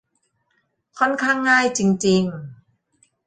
ค่อนข้างง่ายจริง ๆ